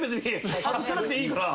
外さなくていいから。